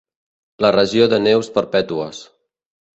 La regió de neus perpètues.